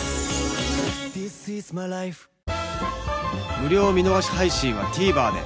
無料見逃し配信は ＴＶｅｒ で